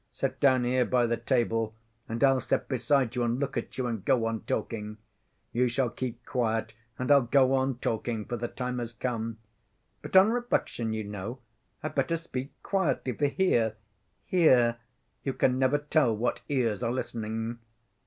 Sit down here by the table and I'll sit beside you and look at you, and go on talking. You shall keep quiet and I'll go on talking, for the time has come. But on reflection, you know, I'd better speak quietly, for here—here—you can never tell what ears are listening.